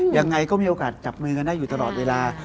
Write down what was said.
ยังไงก็มีโอกาสจับมือกันได้อยู่ตลอดเวลา